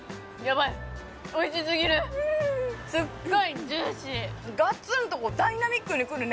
すっごいジューシーガツンとこうダイナミックにくるね